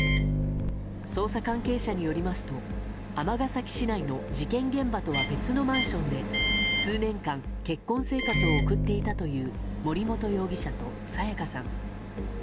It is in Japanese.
捜査関係者によりますと尼崎市内の事件現場とは別のマンションで数年間、結婚生活を送っていたという森本容疑者と彩加さん。